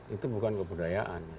itu bukan kebudayaan